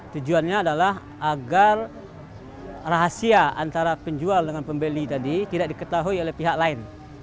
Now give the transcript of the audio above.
tujuannya adalah agar rahasia antara penjual dengan pembeli tadi tidak diketahui oleh pihak lain